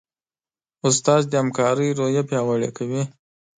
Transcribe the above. استاد د همکارۍ روحیه پیاوړې کوي.